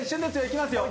いきますよ。